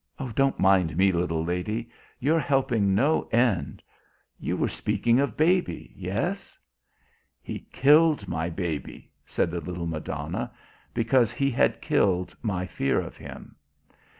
Don't mind me, little lady. You're helping no end. You were speaking of baby. Yes!" "He killed my baby," said the little Madonna, "because he had killed my fear of him.